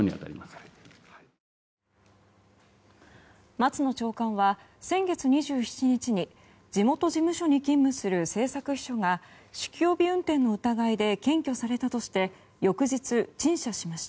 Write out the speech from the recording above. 松野長官は、先月２７日に地元事務所に勤務する政策秘書が酒気帯び運転の疑いで検挙されたとして翌日、陳謝しました。